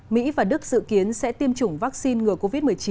mỹ và đức dự kiến sẽ tiêm chủng vaccine ngừa covid một mươi chín